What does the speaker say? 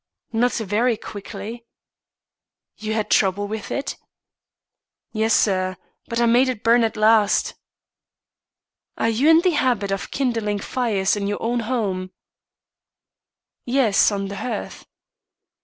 "Not very quickly." "You had trouble with it?" "Yes, sir. But I made it burn at last." "Are you in the habit of kindling fires in your own home?" "Yes, on the hearth."